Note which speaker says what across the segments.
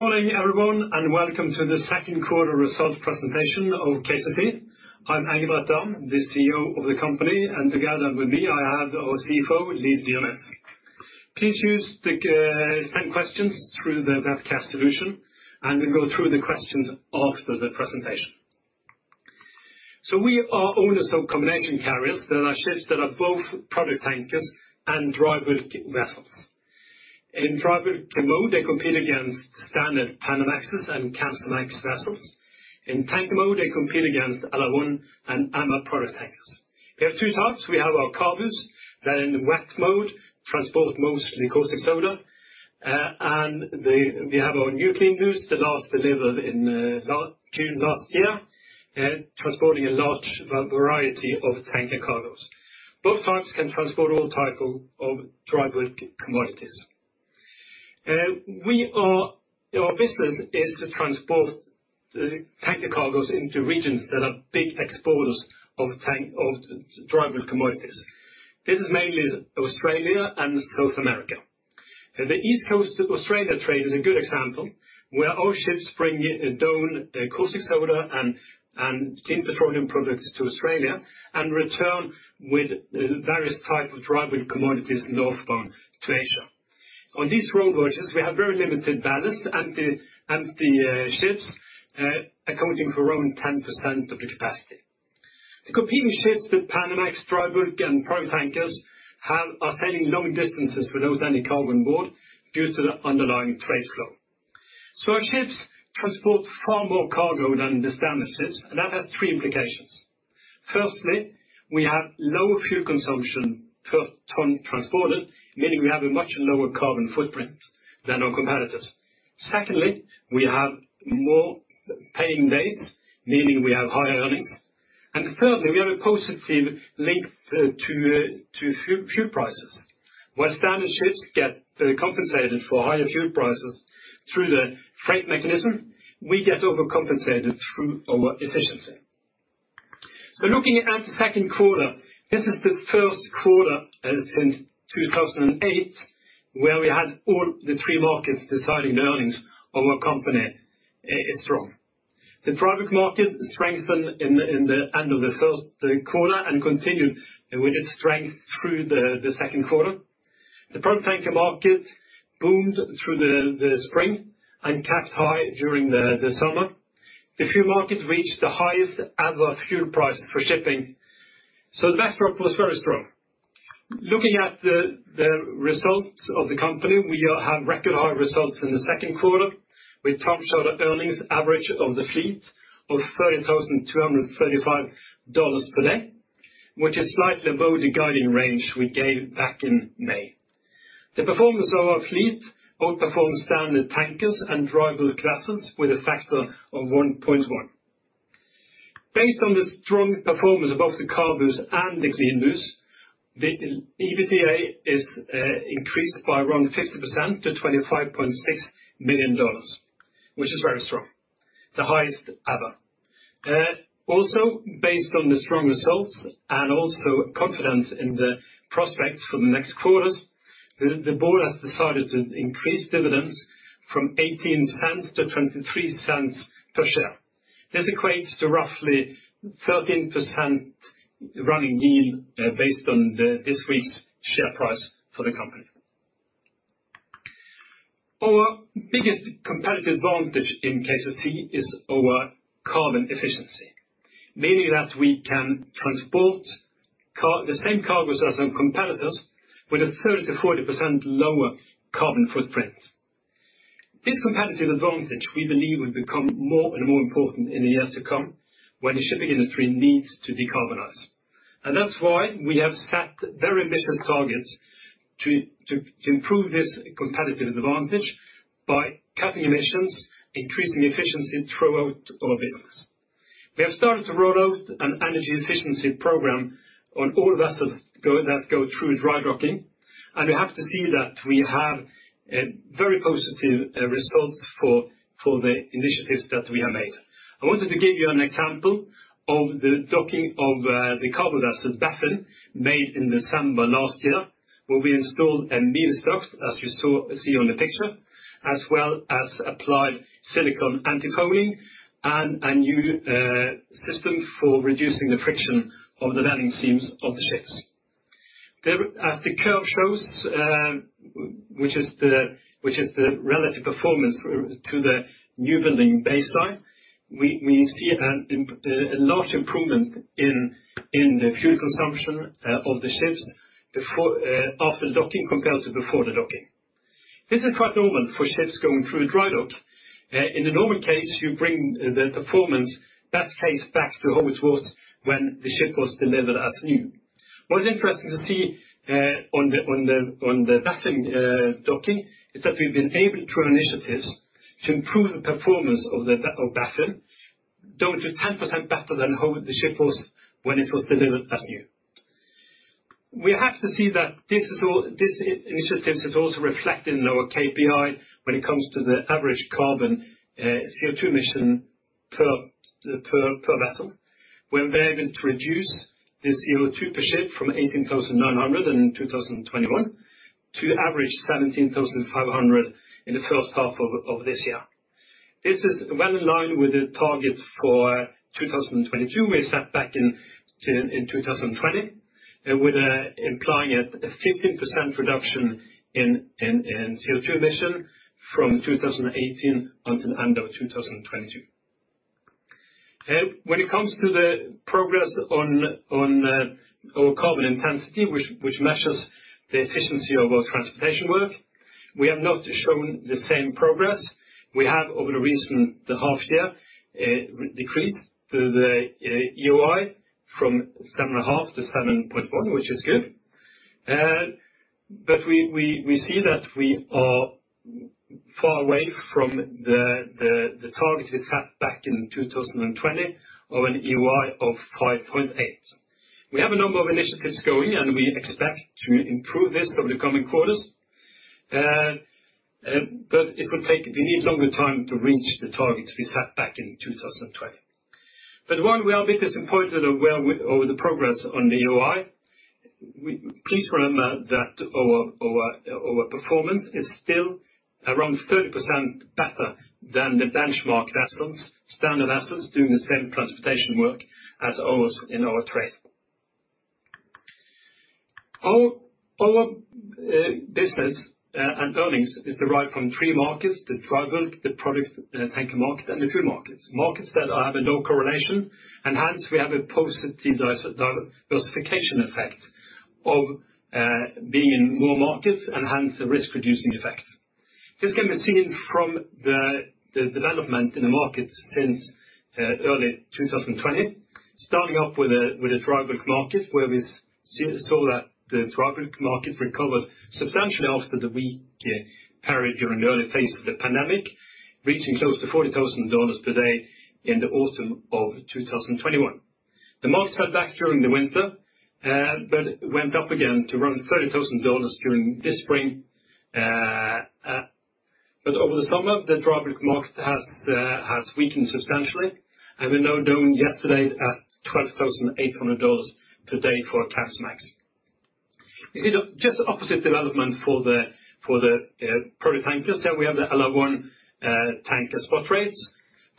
Speaker 1: Morning everyone, and welcome to the second quarter result presentation of KCC. I'm Engebret Dahm, the CEO of the company, and together with me, I have our CFO, Liv Dyrnes. Please send questions through the webcast solution, and we'll go through the questions after the presentation. We are owners of combination carriers. They are ships that are both product tankers and dry bulk vessels. In dry bulk mode, they compete against standard Panamax and Capesize vessels. In tanker mode, they compete against LR1 and MR product tankers. We have two types. We have our CABUs that in the wet mode transport mostly caustic soda, and we have our CLEANBUs, the last delivered in June last year, transporting a large variety of tanker cargos. Both types can transport all type of dry bulk commodities. Our business is to transport tanker cargos into regions that are big exporters of tank- of dry bulk commodities. This is mainly Australia and South America. The East Coast to Australia trade is a good example, where our ships bring down caustic soda and clean petroleum products to Australia and return with various type of dry bulk commodities northbound to Asia. On these round voyages, we have very limited ballast, empty ships accounting for around 10% of the capacity. The competing ships with Panamax dry bulk and product tankers are sailing long distances without any cargo on board due to the underlying trade flow. Our ships transport far more cargo than the standard ships, and that has three implications. Firstly, we have lower fuel consumption per ton transported, meaning we have a much lower carbon footprint than our competitors. Secondly, we have more paying days, meaning we have higher earnings. Thirdly, we have a positive link to fuel prices. While standard ships get compensated for higher fuel prices through the freight mechanism, we get overcompensated through our efficiency. Looking at the second quarter, this is the first quarter since 2008 where we had all the three markets deciding the earnings of our company is strong. The product market strengthened in the end of the first quarter and continued with its strength through the second quarter. The product tanker market boomed through the spring and capped high during the summer. The fuel market reached the highest ever fuel price for shipping. The backdrop was very strong. Looking at the results of the company, we have record high results in the second quarter, with TCE earnings average of the fleet of $30,235 per day, which is slightly above the guiding range we gave back in May. The performance of our fleet outperformed standard tankers and dry bulk vessels with a factor of 1.1. Based on the strong performance of both the CABUs and the CLEANBUs, the EBITDA increased by around 50% to $25.6 million, which is very strong, the highest ever. Also based on the strong results and confidence in the prospects for the next quarters, the board has decided to increase dividends from $0.18 to $0.23 per share. This equates to roughly 13% running yield, based on this week's share price for the company. Our biggest competitive advantage in KCC is our carbon efficiency, meaning that we can transport the same cargoes as some competitors with a 30%-40% lower carbon footprint. This competitive advantage we believe will become more and more important in the years to come when the shipping industry needs to decarbonize. That's why we have set very ambitious targets to improve this competitive advantage by cutting emissions, increasing efficiency throughout our business. We have started to roll out an energy efficiency program on all vessels that go through dry docking, and we have seen that we have very positive results for the initiatives that we have made. I wanted to give you an example of the docking of the cargo vessel Dafne made in December last year, where we installed a Mewis Duct, as you see on the picture, as well as applied silicone antifouling and a new system for reducing the friction of the leading edges of the ships. As the curve shows, which is the relative performance to the newbuilding baseline, we see a large improvement in the fuel consumption of the ships after docking compared to before the docking. This is quite normal for ships going through a dry dock. In the normal case, you bring the performance best case back to how it was when the ship was delivered as new. What is interesting to see on the Dafne docking is that we've been able, through our initiatives, to improve the performance of Dafne down to 10% better than how the ship was when it was delivered as new. We have to see that this initiatives is also reflected in lower KPI when it comes to the average carbon CO₂ emissions per vessel. We have been able to reduce the CO₂ per ship from 18,900 in 2021 to average 17,500 in the first half of this year. This is well in line with the target for 2022 we set back in 2020. Implying a 15% reduction in CO₂ emission from 2018 until end of 2022. When it comes to the progress on our carbon intensity, which measures the efficiency of our transportation work, we have not shown the same progress. We have over the recent half year decreased the EEOI from 7.5 to 7.1, which is good. We see that we are far away from the target we set back in 2020 of an EEOI of 5.8. We have a number of initiatives going, and we expect to improve this over the coming quarters. It will take longer time to reach the targets we set back in 2020. While we are a bit disappointed over the progress on the EEOI, please remember that our performance is still around 30% better than the benchmark vessels, standard vessels doing the same transportation work as ours in our trade. Our business and earnings is derived from three markets, the dry bulk, the product tanker market, and the fuel markets. Markets that have a low correlation, and hence we have a positive diversification effect of being in more markets and hence a risk-reducing effect. This can be seen from the development in the market since early 2020, starting off with a dry bulk market where we saw that the dry bulk market recovered substantially after the weak period during the early phase of the pandemic, reaching close to $40,000 per day in the autumn of 2021. The market held back during the winter, but went up again to around $30,000 during this spring. Over the summer, the dry bulk market has weakened substantially, and we're now doing yesterday at $12,800 per day for a Capesize. You see the just opposite development for the product tankers. Here we have the LR1 tanker spot rates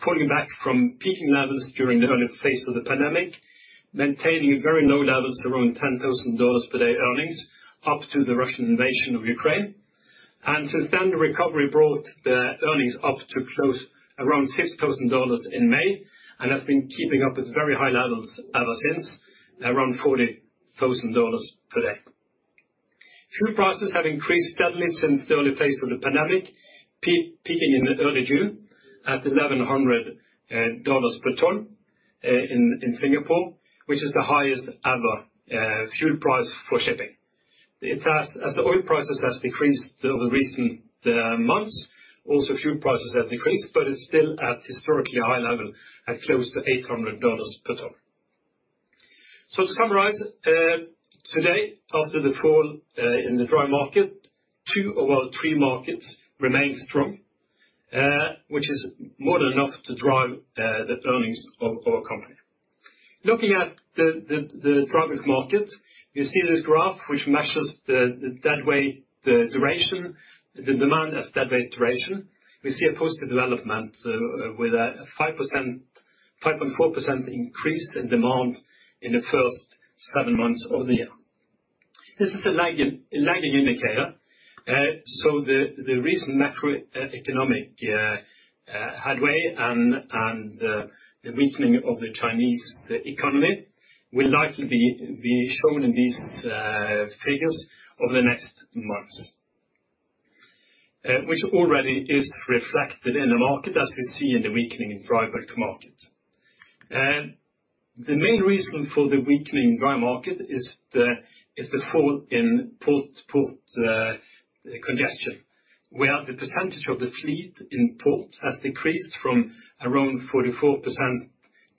Speaker 1: falling back from peaking levels during the early phase of the pandemic, maintaining very low levels around $10,000 per day earnings up to the Russian invasion of Ukraine. Since then, the recovery brought the earnings up to close around $6,000 in May and has been keeping up with very high levels ever since, around $40,000 per day. Fuel prices have increased steadily since the early phase of the pandemic, peaking in early June at $1,100 per ton in Singapore, which is the highest ever fuel price for shipping. As the oil prices has decreased over recent months, also fuel prices have decreased, but it's still at historically high level, at close to $800 per ton. To summarize, today, after the fall in the dry market, two of our three markets remain strong, which is more than enough to drive the earnings of our company. Looking at the dry bulk market, you see this graph which measures the deadweight, the days, the demand as deadweight-days. We see a positive development with a 5.4% increase in demand in the first seven months of the year. This is a lagging indicator. The recent macroeconomic headwinds and the weakening of the Chinese economy will likely be shown in these figures over the next months. Which already is reflected in the market as we see in the weakening dry bulk market. The main reason for the weakening dry market is the fall in port congestion, where the percentage of the fleet in ports has decreased from around 44%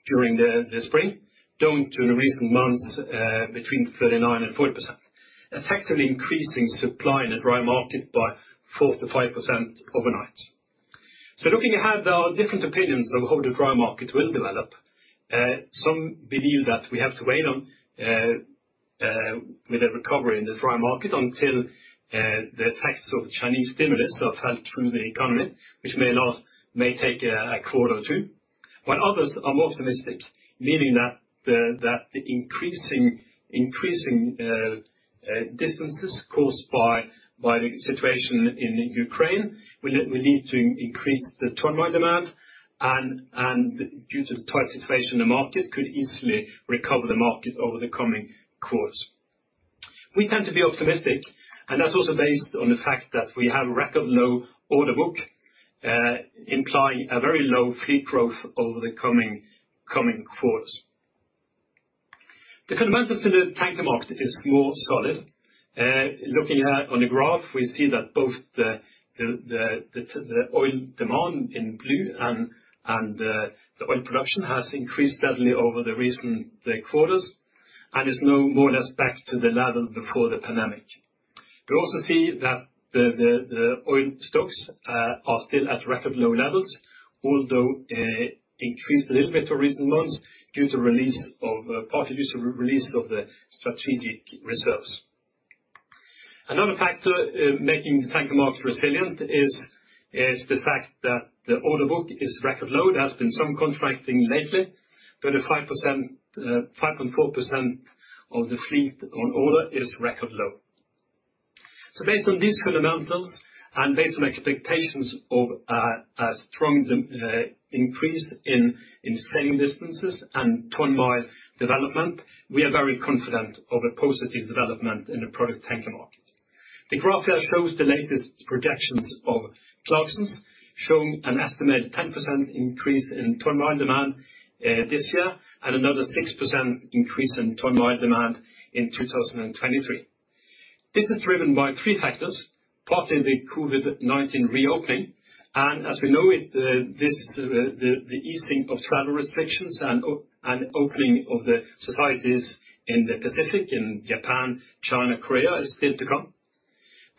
Speaker 1: during the spring down to the recent months between 39% and 40%, effectively increasing supply in the dry market by 4%-5% overnight. Looking ahead, there are different opinions on how the dry market will develop. Some believe that we have to wait for a recovery in the dry market until the effects of Chinese stimulus have fed through the economy, which may take a quarter or two. While others are more optimistic, believing that the increasing distances caused by the situation in Ukraine will lead to increased ton-mile demand and due to the tight situation in the market, could easily recover the market over the coming quarters. We tend to be optimistic, and that's also based on the fact that we have a record low order book, implying a very low fleet growth over the coming quarters. The fundamentals in the tanker market is more solid. Looking at the graph, we see that both the oil demand in blue and the oil production has increased steadily over the recent quarters and is now more or less back to the level before the pandemic. We also see that the oil stocks are still at record low levels, although increased a little bit in recent months, partly due to release of the strategic reserves. Another factor making the tanker market resilient is the fact that the order book is record low. There has been some contracting lately, but 5.4% of the fleet on order is record low. Based on these fundamentals, and based on expectations of a strong increase in sailing distances and ton-mile development, we are very confident of a positive development in the product tanker market. The graph here shows the latest projections of Clarksons, showing an estimated 10% increase in ton-mile demand this year, and another 6% increase in ton-mile demand in 2023. This is driven by three factors, partly the COVID-19 reopening, and as we know it, the easing of travel restrictions and opening of the societies in the Pacific, in Japan, China, Korea is still to come.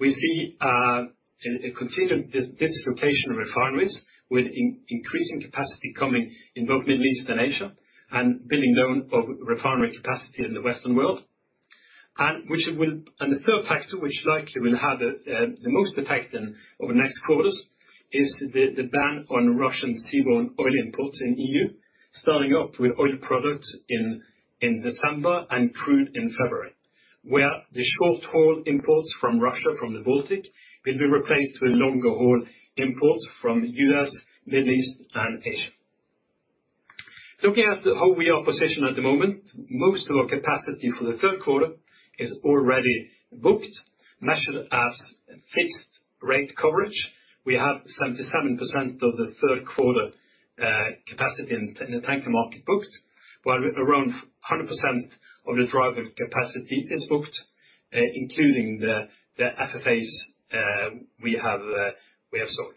Speaker 1: We see a continued dislocation of refineries with increasing capacity coming in both Middle East and Asia, and winding down of refinery capacity in the western world. The third factor, which likely will have the most effect over the next quarters, is the ban on Russian seaborne oil imports in EU, starting off with oil products in December and crude in February. The short-haul imports from Russia from the Baltic will be replaced with longer haul imports from U.S., Middle East and Asia. Looking at how we are positioned at the moment, most of our capacity for the third quarter is already booked, measured as fixed rate coverage. We have 77% of the third quarter capacity in the tanker market booked, while around 100% of the dry bulk capacity is booked, including the FFAs, we have sought.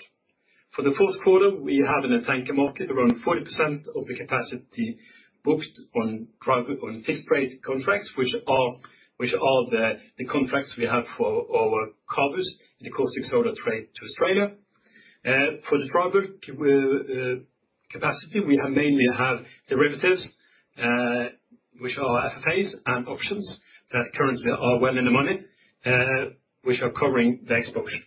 Speaker 1: For the fourth quarter, we have in the tanker market around 40% of the capacity booked on fixed rate contracts, which are the contracts we have for our covers in the caustic soda trade to Australia. For the dry bulk capacity, we mainly have derivatives, which are FFAs and options that currently are well in the money, which are covering the exposure.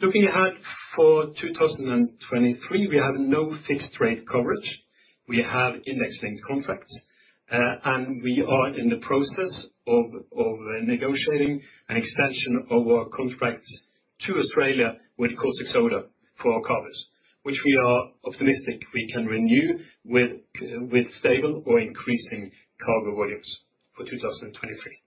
Speaker 1: Looking ahead for 2023, we have no fixed rate coverage. We have index-linked contracts, and we are in the process of negotiating an extension of our contracts to Australia with caustic soda for our covers, which we are optimistic we can renew with stable or increasing cargo volumes for 2023.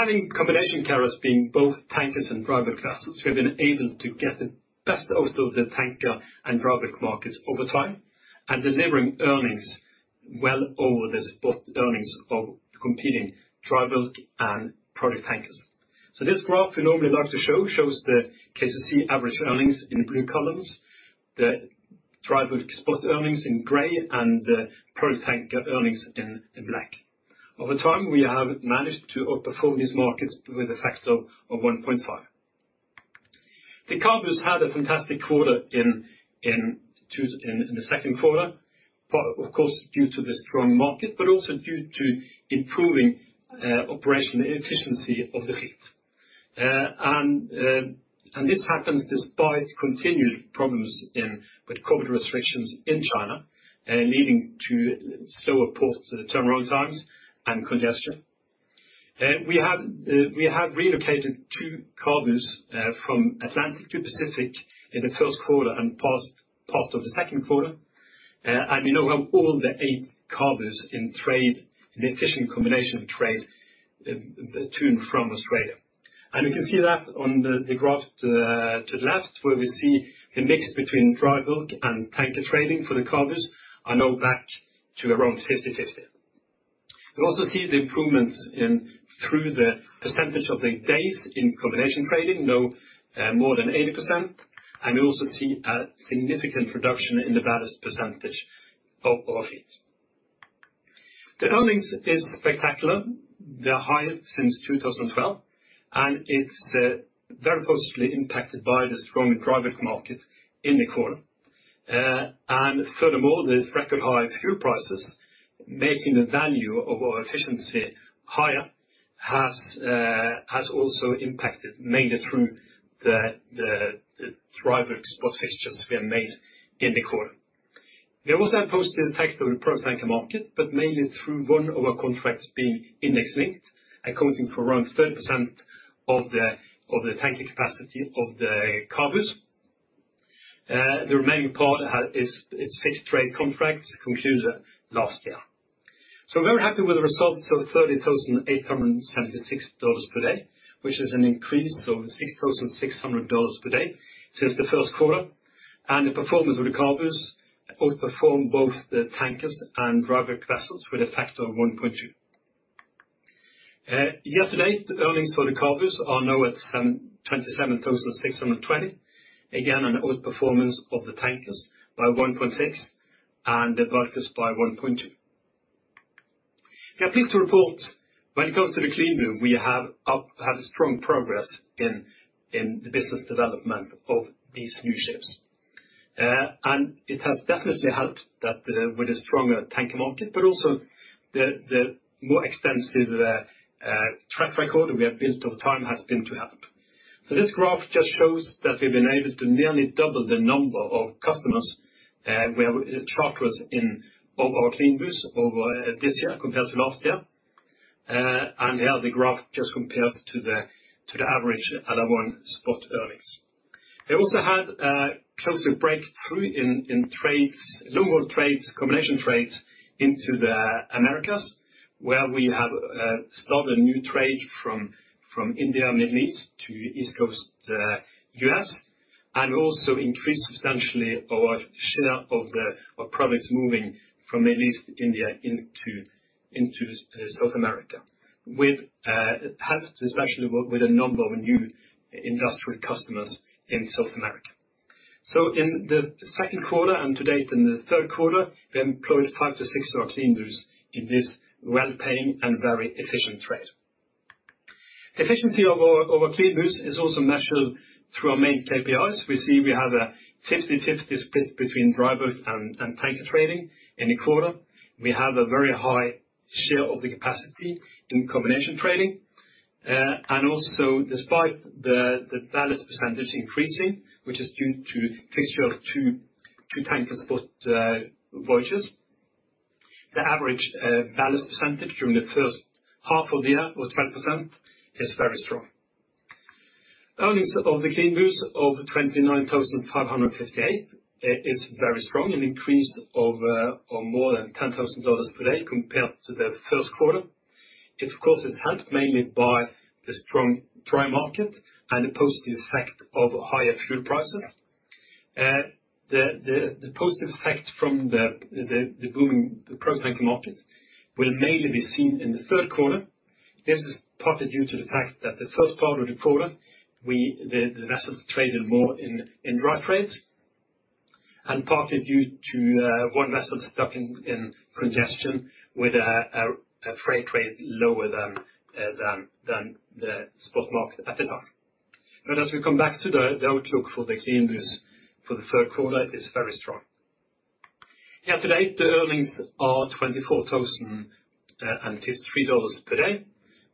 Speaker 1: Having combination carriers being both tankers and dry bulk vessels, we've been able to get the best out of the tanker and dry bulk markets over time, and delivering earnings well over the spot earnings of competing dry bulk and product tankers. This graph we normally like to show shows the KCC average earnings in blue columns, the dry bulk spot earnings in gray, and the product tanker earnings in black. Over time, we have managed to outperform these markets with a factor of 1.5. The CABUs had a fantastic quarter in the second quarter, but of course, due to the strong market, but also due to improving operational efficiency of the fleet. This happens despite continued problems with COVID restrictions in China, leading to slower port turnaround times and congestion. We have relocated two carriers from Atlantic to Pacific in the first quarter and part of the second quarter. We now have all eight carriers in trade, in efficient combination trade, in to and from Australia. You can see that on the graph to the left, where we see the mix between dry bulk and tanker trading for the carriers are now back to around 50/50. We also see the improvements in the percentage of the days in combination trading, now more than 80%. We also see a significant reduction in the ballast percentage of our fleet. The earnings is spectacular. The highest since 2012, and it's very positively impacted by the strong dry bulk market in the quarter. Furthermore, the record high fuel prices, making the value of our efficiency higher has also impacted mainly through the dry bulk spot fixtures we have made in the quarter. We also have posted the effect of the product tanker market, but mainly through one of our contracts being index-linked, accounting for around 30% of the tanker capacity of the CLEANBUs. The remaining part is fixed-rate contracts concluded last year. We're very happy with the results of $30,876 per day, which is an increase of $6,600 per day since the first quarter. The performance of the CLEANBUs outperformed both the tankers and dry bulk vessels with effect of 1.2. Year to date, earnings for the CABUs are now at $27,620. Again, an outperformance of the tankers by $1.6 and the bulk by $1.2. Pleased to report when it comes to the CLEANBU, we have strong progress in the business development of these new ships. It has definitely helped that with the stronger tanker market, but also the more extensive track record we have built over time has been to help. This graph just shows that we've been able to nearly double the number of customers we have charters with in all our CLEANBUs over this year compared to last year. Here the graph just compares to the average other spot earnings. We also had a close breakthrough in trades, long haul trades, combination trades into the Americas, where we have started a new trade from India, Middle East to East Coast, U.S., and also increased substantially our share of the products moving from the Middle East, India into South America. With help especially with a number of new industrial customers in South America. In the second quarter and to date in the third quarter, we employed five to six of our CLEANBUs in this well-paying and very efficient trade. Efficiency of our CLEANBUs is also measured through our main KPIs. We see we have a 50/50 split between dry bulk and tanker trading in the quarter. We have a very high share of the capacity in combination trading. Despite the ballast percentage increasing, which is due to fixture of two tanker spot voyages, the average ballast percentage during the first half of the year was 12% is very strong. Earnings of the CLEANBUs of $29,558 is very strong, an increase of more than $10,000 per day compared to the first quarter. It, of course, is helped mainly by the strong dry bulk market and the positive effect of higher fuel prices. The positive effects from the booming product tanker market will mainly be seen in the third quarter. This is partly due to the fact that the first part of the quarter, the vessels traded more in dry trades, and partly due to one vessel stuck in congestion with a freight rate lower than the spot market at the time. As we come back to the outlook for the CLEANBUs for the third quarter is very strong. Here today, the earnings are $24,053 per day,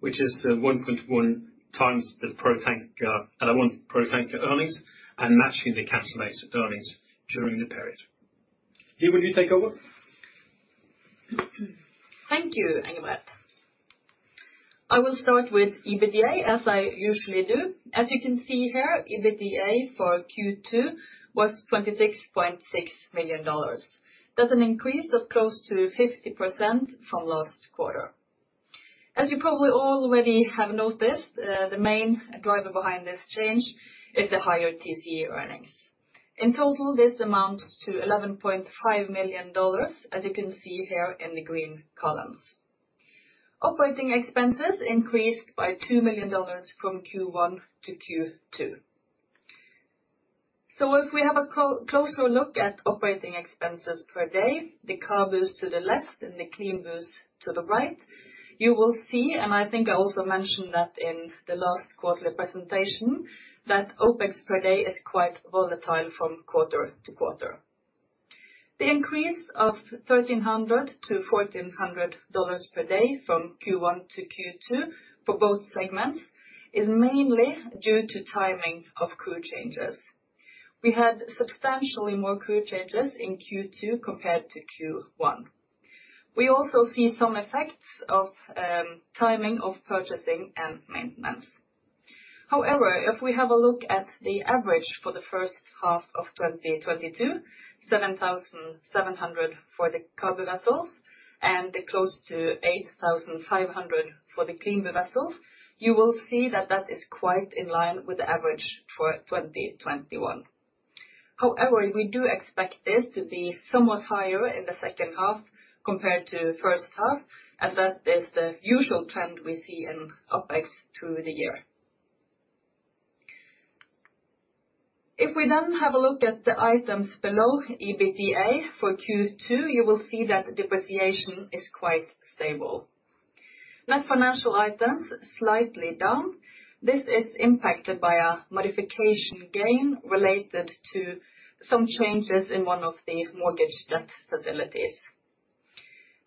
Speaker 1: which is 1.1x the product tanker, other one product tanker earnings and matching the Capesize earnings during the period. Liv, will you take over?
Speaker 2: Thank you, Engebret. I will start with EBITDA as I usually do. As you can see here, EBITDA for Q2 was $26.6 million. That's an increase of close to 50% from last quarter. As you probably already have noticed, the main driver behind this change is the higher TCE earnings. In total, this amounts to $11.5 million, as you can see here in the green columns. Operating expenses increased by $2 million from Q1 to Q2. If we have a closer look at operating expenses per day, the CABUs to the left and the CLEANBUs to the right, you will see, and I think I also mentioned that in the last quarterly presentation, that OPEX per day is quite volatile from quarter to quarter. The increase of $1,300-$1,400 per day from Q1 to Q2 for both segments is mainly due to timing of crew changes. We had substantially more crew changes in Q2 compared to Q1. We also see some effects of timing of purchasing and maintenance. However, if we have a look at the average for the first half of 2022, $7,700 for the CABU vessels and close to $8,500 for the CLEANBU vessels, you will see that that is quite in line with the average for 2021. However, we do expect this to be somewhat higher in the second half compared to first half, as that is the usual trend we see in OPEX through the year. If we then have a look at the items below EBITDA for Q2, you will see that depreciation is quite stable. Net financial items slightly down. This is impacted by a modification gain related to some changes in one of the mortgage debt facilities.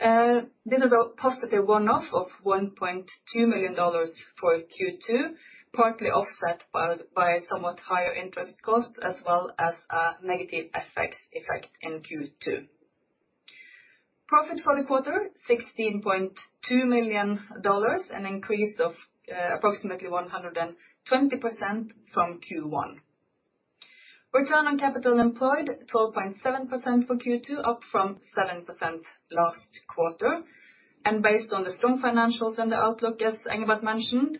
Speaker 2: This is a positive one-off of $1.2 million for Q2, partly offset by somewhat higher interest costs as well as a negative effect in Q2. Profit for the quarter, $16.2 million, an increase of approximately 120% from Q1. Return on capital employed, 12.7% for Q2, up from 7% last quarter. Based on the strong financials and the outlook, as Engebret mentioned,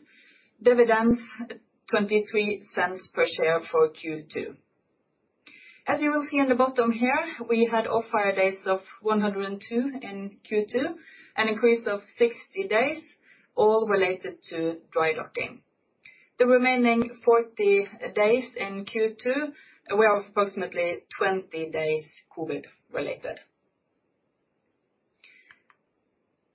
Speaker 2: dividends 23¢ Per share for Q2. As you will see on the bottom here, we had off-hire days of 102 in Q2, an increase of 60 days, all related to dry docking. The remaining 40 days in Q2 were approximately 20 days COVID-related.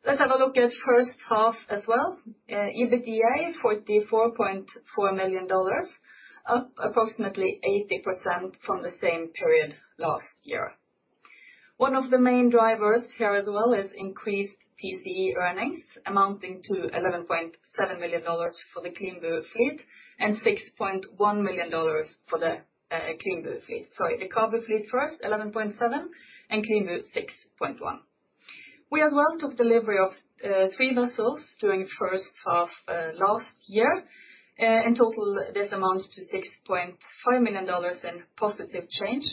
Speaker 2: Let's have a look at first half as well. EBITDA $44.4 million, up approximately 80% from the same period last year. One of the main drivers here as well is increased TCE earnings amounting to $11.7 million for the CABU fleet and $6.1 million for the CLEANBU fleet. We as well took delivery of three vessels during first half last year. In total, this amounts to $6.5 million in positive change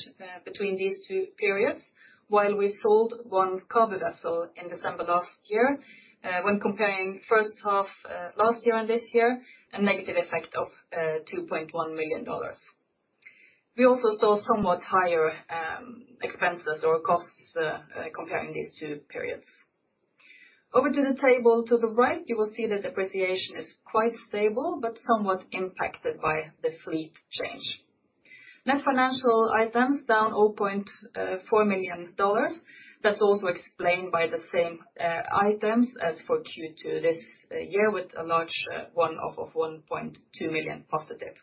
Speaker 2: between these two periods. While we sold one CABU vessel in December last year, when comparing first half last year and this year, a negative effect of $2.1 million. We also saw somewhat higher expenses or costs comparing these two periods. Over to the table to the right, you will see that depreciation is quite stable but somewhat impacted by the fleet change. Net financial items down $0.4 million. That's also explained by the same items as for Q2 this year with a large one-off of $1.2 million positive.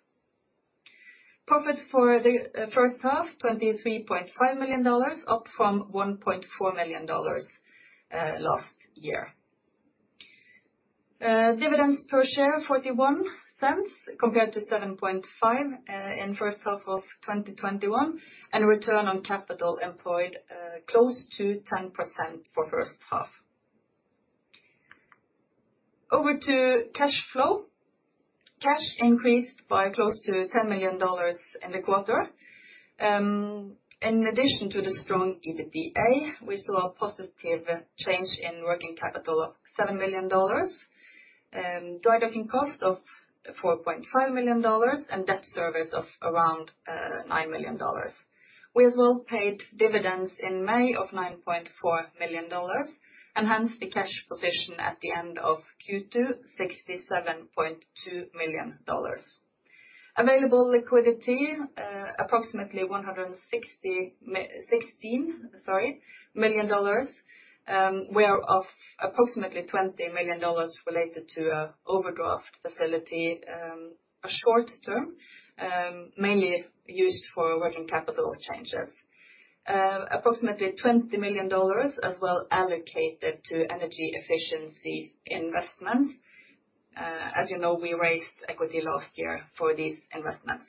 Speaker 2: Profit for the first half, $23.5 million, up from $1.4 million last year. Dividends per share 4¢ compared to 7.5 in first half of 2021, and return on capital employed close to 10% for first half. Over to cash flow. Cash increased by close to $10 million in the quarter. In addition to the strong EBITDA, we saw a positive change in working capital of $7 million, dry docking cost of $4.5 million, and debt service of around $9 million. We as well paid dividends in May of $9.4 million, and hence the cash position at the end of Q2 $67.2 million. Available liquidity approximately 160 million dollars, whereof approximately $20 million related to overdraft facility, a short-term mainly used for working capital changes. Approximately $20 million as well allocated to energy efficiency investments. As you know, we raised equity last year for these investments.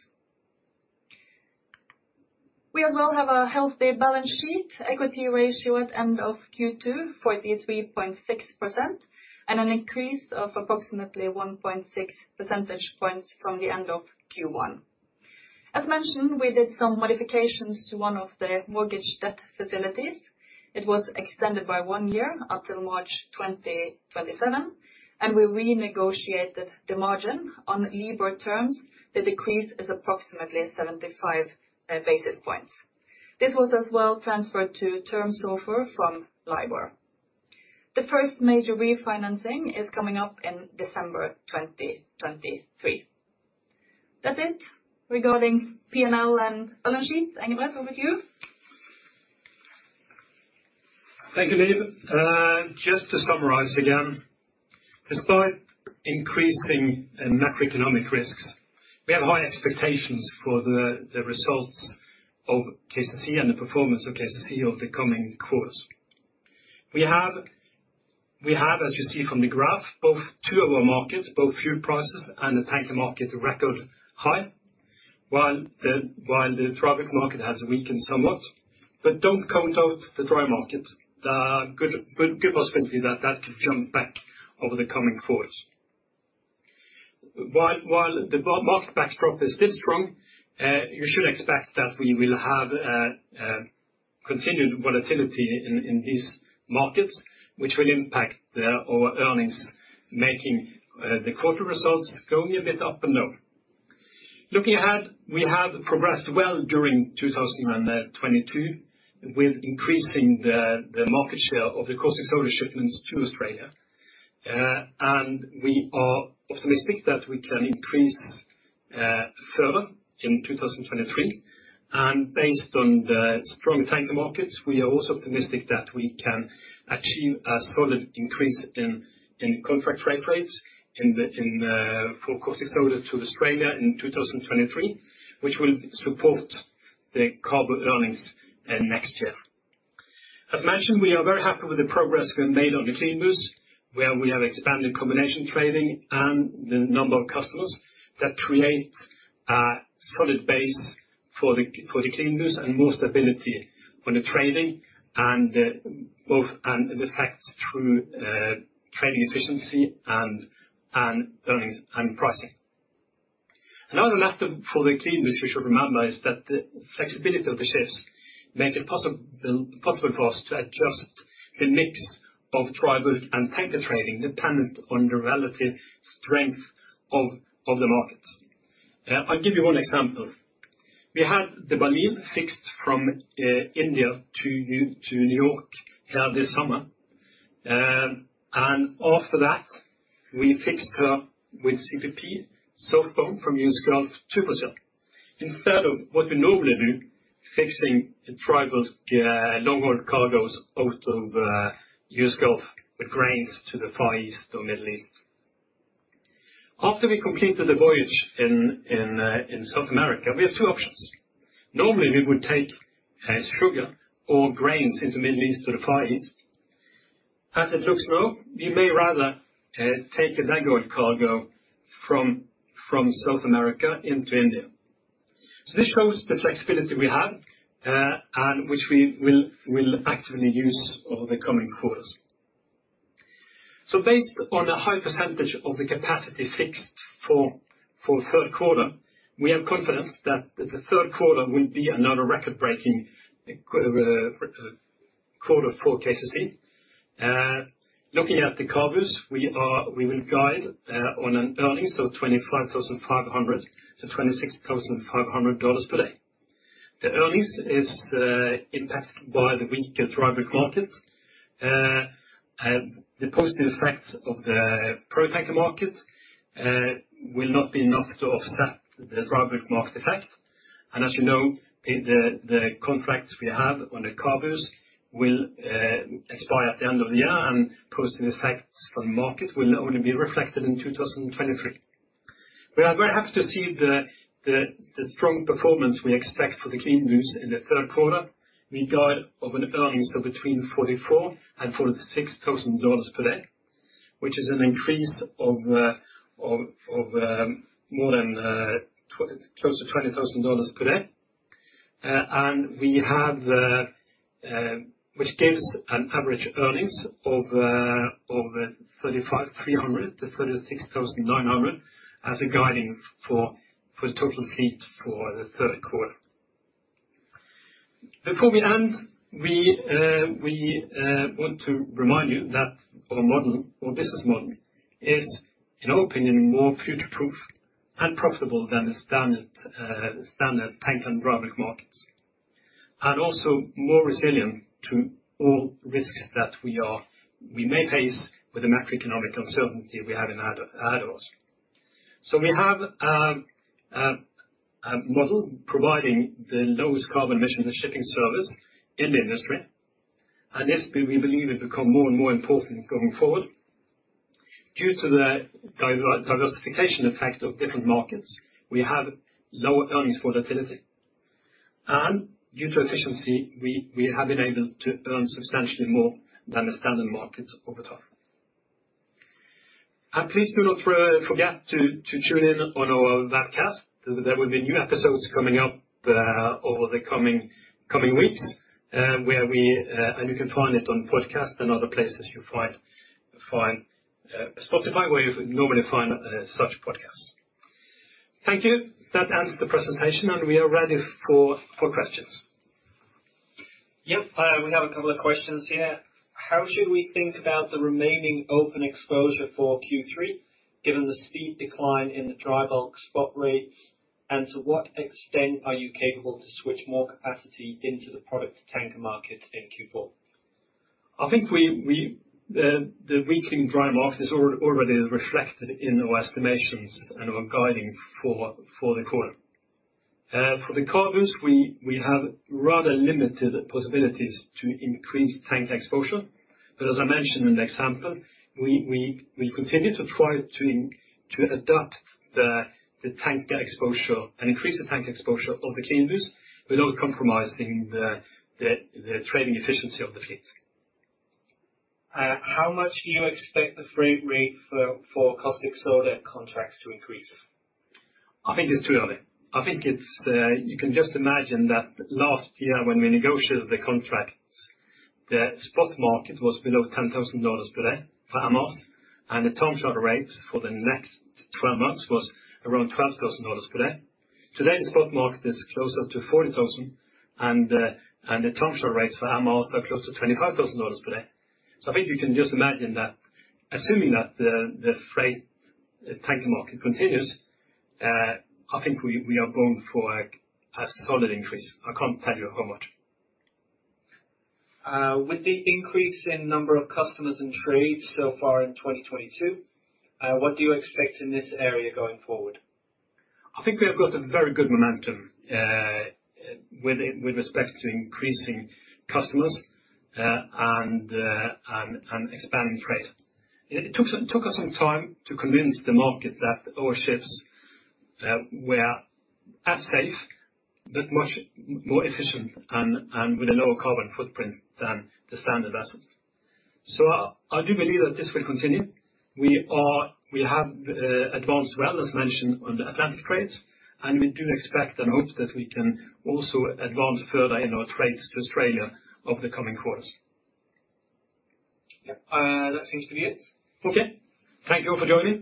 Speaker 2: We as well have a healthy balance sheet equity ratio at end of Q2, 43.6%, and an increase of approximately 1.6 percentage points from the end of Q1. As mentioned, we did some modifications to one of the mortgage debt facilities. It was extended by one year until March 2027, and we renegotiated the margin on LIBOR terms. The decrease is approximately 75 basis points. This was as well transferred to term SOFR from LIBOR. The first major refinancing is coming up in December 2023. That's it regarding P&L and balance sheet. Engebret, over to you.
Speaker 1: Thank you, Liv. Just to summarize again, despite increasing macroeconomic risks, we have high expectations for the results of KCC and the performance of KCC over the coming quarters. We have, as you see from the graph, both two of our markets, both fuel prices and the tanker market record high, while the product market has weakened somewhat. Don't count out the dry markets. There are good possibility that could jump back over the coming quarters. While the market backdrop is still strong, you should expect that we will have a continued volatility in these markets, which will impact our earnings, making the quarter results going a bit up and down. Looking ahead, we have progressed well during 2022 with increasing the market share of the caustic soda shipments to Australia. We are optimistic that we can increase further in 2023. Based on the strong tanker markets, we are also optimistic that we can achieve a solid increase for caustic soda to Australia in 2023, which will support the CABU earnings next year. As mentioned, we are very happy with the progress we've made on the CLEANBU, where we have expanded combination trading and the number of customers that create a solid base for the CLEANBU and more stability on the trading and both the effects through trading efficiency and earnings and pricing. Another lesson for the CLEANBU we should remember is that the flexibility of the ships makes it possible for us to adjust the mix of dry bulk and tanker trading dependent on the relative strength of the market. Yeah, I'll give you one example. We had the Baleen fixed from India to New York this summer. After that, we fixed her with CPP southbound from East Gulf to Brazil, instead of what we normally do, fixing typical long haul cargoes out of East Gulf with grains to the Far East or Middle East. After we completed the voyage in South America, we have two options. Normally, we would take sugar or grains into Middle East or the Far East. As it looks now, we may rather take a cargo from South America into India. This shows the flexibility we have, and which we will actively use over the coming quarters. Based upon a high percentage of the capacity fixed for third quarter, we are confident that the third quarter will be another record-breaking quarter for KCC. Looking at the coverage, we will guide on an earnings of $25,500-$26,500 per day. The earnings is impacted by the weaker dry bulk market, and the positive effects of the product market will not be enough to offset the dry bulk market effect. As you know, the contracts we have on the coverage will expire at the end of the year and positive effects from market will only be reflected in 2023. We are very happy to see the strong performance we expect for the CLEANBUs in the third quarter, regarding earnings of between $44,000 and $46,000 per day, which is an increase of more than close to $20,000 per day. Which gives an average earnings of $35,300 to $36,900 as guidance for the total fleet for the third quarter. Before we end, we want to remind you that our model, our business model is, in our opinion, more future-proof and profitable than the standard tanker and dry bulk markets, and also more resilient to all risks that we may face with the macroeconomic uncertainty we have ahead of us. We have a model providing the lowest carbon emission shipping service in the industry. This we believe will become more and more important going forward. Due to the diversification effect of different markets, we have lower earnings volatility. Due to efficiency, we have been able to earn substantially more than the standard markets over time. Please do not forget to tune in on our webcast. There will be new episodes coming up over the coming weeks, where we and you can find it on podcast and other places you find Spotify, where you would normally find such podcasts. Thank you. That ends the presentation, and we are ready for questions.
Speaker 3: Yep. We have a couple of questions here. How should we think about the remaining open exposure for Q3, given the sharp decline in the dry bulk spot rate? To what extent are you capable to switch more capacity into the product tanker market in Q4?
Speaker 1: I think the weakening dry market is already reflected in our estimations and our guidance for the quarter. For the CABUs, we have rather limited possibilities to increase tank exposure. As I mentioned in the example, we continue to try to adapt the tanker exposure and increase the tank exposure of the CLEANBUs without compromising the trading efficiency of the fleet.
Speaker 3: How much do you expect the freight rate for caustic soda contracts to increase?
Speaker 1: I think it's too early. You can just imagine that last year when we negotiated the contracts, the spot market was below $10,000 per day for a month, and the term TC rates for the next 12 months was around $12,000 per day. Today's spot market is closer to $40,000 and the term TC rates for a month are close to $25,000 per day. I think you can just imagine that assuming that the freight tanker market continues, I think we are going for a solid increase. I can't tell you how much.
Speaker 3: With the increase in number of customers and trades so far in 2022, what do you expect in this area going forward?
Speaker 1: I think we have got a very good momentum with respect to increasing customers and expanding trade. It took us some time to convince the market that our ships were as safe but much more efficient and with a lower carbon footprint than the standard vessels. I do believe that this will continue. We have advanced well, as mentioned on the Atlantic trades, and we do expect and hope that we can also advance further in our trades to Australia over the coming quarters.
Speaker 3: Yep. That seems to be it.
Speaker 1: Okay. Thank you for joining.